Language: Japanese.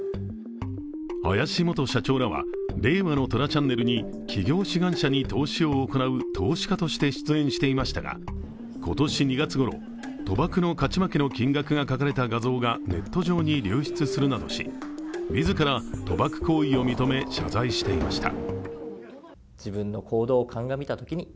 林元社長らは「令和の虎ＣＨＡＮＮＥＬ」に起業志願者に投資を行う投資家として出演していましたが、今年２月ごろ、賭博の勝ち負けの金額が書かれた画像がネット上に流出するなどし、自ら賭博行為を認め謝罪していました。